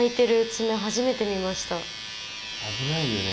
危ないよね